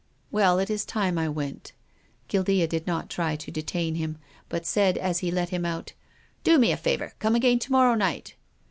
Well, it is time I went." Guildea did not try to detain him, but said, as he let him out, " Do me a favour, come again to morrow night."